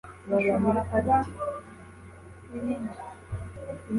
bashobora kuba binini